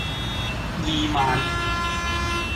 二萬